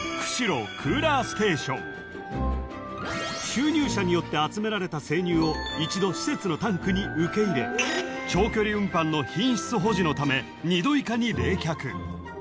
［集乳車によって集められた生乳を一度施設のタンクに受け入れ長距離運搬の品質保持のため２℃以下に冷却］